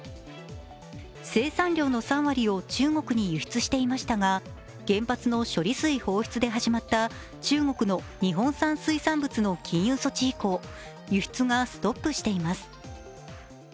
生産量の３割を中国に輸出していましたが原発の処理水放出で始まった中国の日本産水産物の禁輸措置以降、輸出がストップしています。